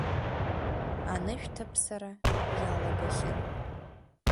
Анышәҭаԥсара иалагахьан.